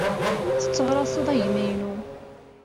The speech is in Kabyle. Tetteɣraṣeḍ agma-inu.